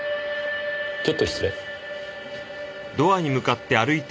ちょっと失礼。